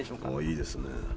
いいですね。